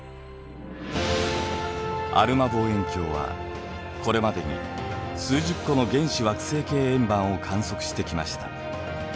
アルマ望遠鏡はこれまでに数十個の原始惑星系円盤を観測してきました。